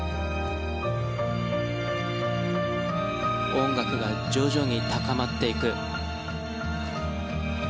音楽が徐々に高まっていく。